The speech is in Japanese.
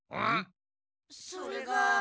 それが。